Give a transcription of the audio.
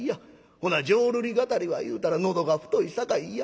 ほな浄瑠璃語りは言うたら『喉が太いさかい嫌』。